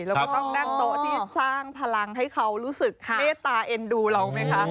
เราก็ต้องนั่งโต๊ะที่สร้างพลังให้เขารู้สึกเมตตาเอ็นดูเราไหมคะ